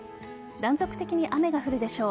断続的に雨が降るでしょう。